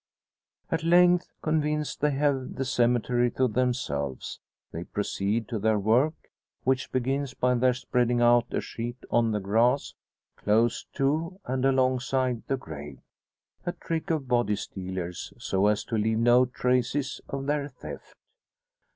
At length, convinced they have the cemetery to themselves, they proceed to their work, which begins by their spreading out a sheet on the grass close to and alongside the grave a trick of body stealers so as to leave no traces of their theft.